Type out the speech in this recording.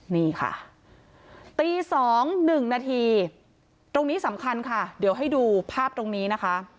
นี่ค่ะตี๒๑นาทีตรงนี้สำคัญค่ะเดี๋ยวให้ดูภาพตรงนี้นะคะ